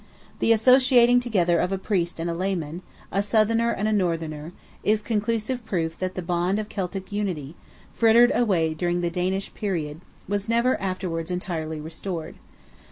The associating together of a Priest and a layman, a southerner and a northerner, is conclusive proof that the bond of Celtic unity, frittered away during the Danish period, was never afterwards entirely restored.